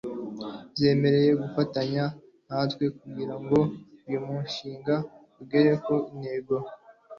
zemera gufatanya natwe kugira ngo uyu mushinga ugere ku intego